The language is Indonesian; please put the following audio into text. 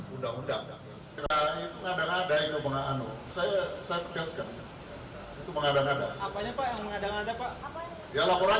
kita tidak akan tidak lanjutin laporan ini